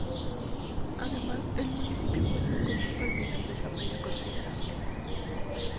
Además el municipio cuenta con un palmeral de tamaño considerable.